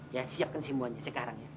ya siapkan semuanya sekarang ya